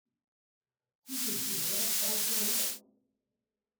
D tidet tebɣiḍ ad tesɛuḍ tarwa?